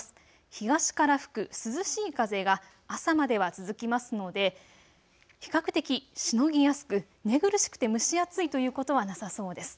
東から吹く涼しい風が朝までは続きますので比較的、しのぎやすく、寝苦しくて蒸し暑いということはなさそうです。